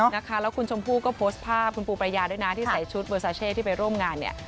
นะคะแล้วคุณชมพู่ก็โพสต์ภาพคุณปูประยาด้วยนะที่ใส่ชุดเวอร์ซาเช่ที่ไปร่วมงานเนี่ย